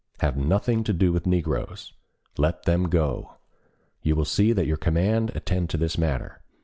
Have nothing to do with negroes. Let them go. You will see that your command attend to this matter.